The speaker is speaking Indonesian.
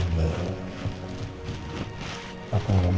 aku nggak mau lah sampai papa dengar masalah ini